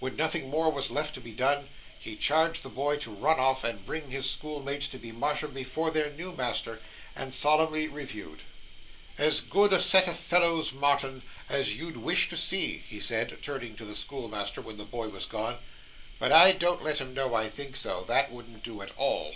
When nothing more was left to be done, he charged the boy to run off and bring his schoolmates to be marshalled before their new master, and solemnly reviewed. 'As good a set of fellows, Marton, as you'd wish to see,' he said, turning to the schoolmaster when the boy was gone; 'but I don't let 'em know I think so. That wouldn't do, at all.